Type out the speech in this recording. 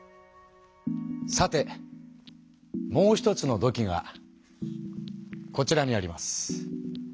さてもう一つの土器がこちらにあります。